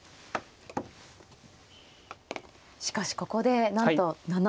しかしここでなんと７五歩と。